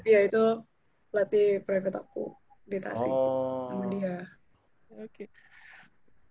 iya itu pelatih praegat aku di tasik sama dia